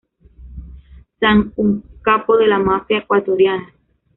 San, un capo de la mafia ecuatoriana.